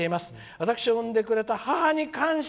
私を産んでくれた母に感謝」。